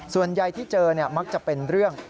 ส่วนใหญ่ที่เจอมักจะเป็นเรื่อง